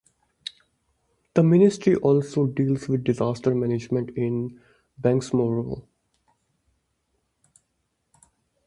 The ministry also deals with disaster management in Bangsamoro.